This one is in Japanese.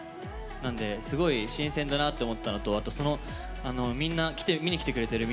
なんで、すごい新鮮だなって思ったのと見に来てくれてる